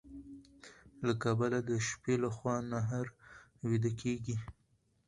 له کبله د شپې لخوا نهر ويده کيږي.